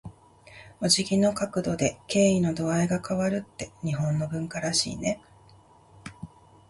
お辞儀の角度で、敬意の度合いが変わるって日本の文化らしいね。